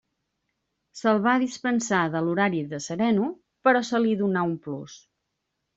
Se'l va dispensar de l'horari de sereno, però se li donà un plus.